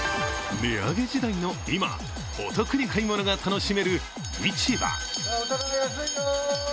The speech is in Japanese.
値上げ時代の今、お得に買い物が楽しめる市場。